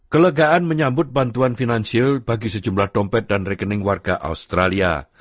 kelegaan menyambut bantuan finansial bagi sejumlah dompet dan rekening warga australia